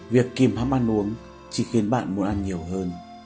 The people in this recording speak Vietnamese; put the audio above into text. việc kìm hắm ăn uống chỉ khiến bạn muốn ăn nhiều hơn